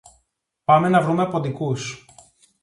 Πάμε να βρούμε ποντικούς